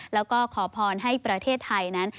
แล้วก็ขอพรให้ประเทศไทยนั้น